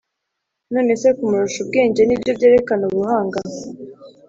None se kumurusha ubwenge nibyo byerekana ubuhanga